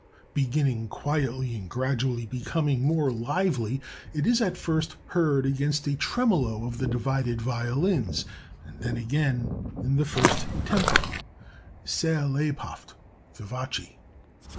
Beginning quietly and gradually becoming more lively, it is at first heard against a tremolo of the divided violins and then again in the first tempo, Sehr lebhaft [Vivace].